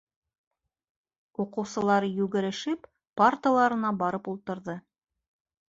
Уҡыусылар йүгерешеп парталарына барып ултырҙы.